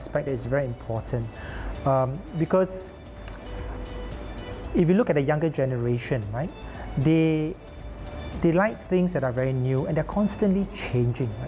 พวกเขารู้สึกว่าสิ่งที่ใหม่และทุกที่จะ